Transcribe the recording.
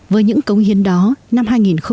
với những cống hiến đó năm hai nghìn một mươi chín